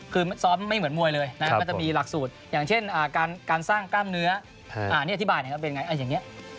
คือซ้อมไม่เหมือนมวยเลยนะก็จะมีหลักสูตรอย่างเช่นการสร้างกล้ามเนื้ออันนี้อธิบายนะครับเป็นไงอย่างนี้